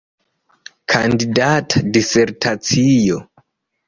Kandidata disertacio.